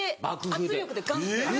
圧力でガンって。